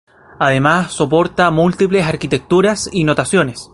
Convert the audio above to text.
Además, soporta múltiples arquitecturas y notaciones.